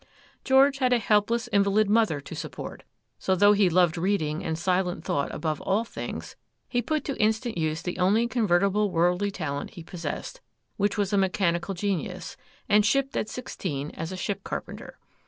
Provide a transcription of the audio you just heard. George had a helpless invalid mother to support; so, though he loved reading and silent thought above all things, he put to instant use the only convertible worldly talent he possessed, which was a mechanical genius, and shipped at sixteen as a ship carpenter.